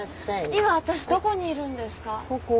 今私どこにいるんですか？